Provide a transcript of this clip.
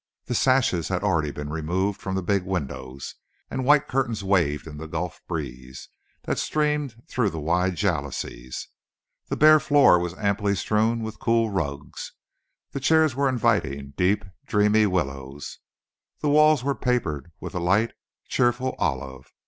The sashes had already been removed from the big windows, and white curtains waved in the Gulf breeze that streamed through the wide jalousies. The bare floor was amply strewn with cool rugs; the chairs were inviting, deep, dreamy willows; the walls were papered with a light, cheerful olive.